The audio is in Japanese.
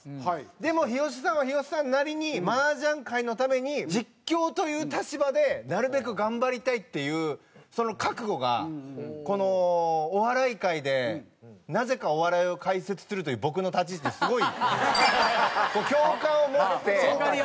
でも日吉さんは日吉さんなりに麻雀界のために実況という立場でなるべく頑張りたいっていうその覚悟がこのお笑い界でなぜかお笑いを解説するという僕の立ち位置にすごい共感を持って。